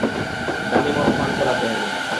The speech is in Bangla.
দামী মদ পান করাতে হবে।